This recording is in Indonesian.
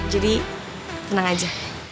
jadi tenang aja